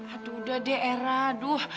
aduh udah deh rado